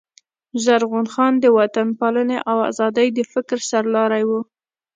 زرغون خان د وطن پالني او آزادۍ د فکر سر لاری وو.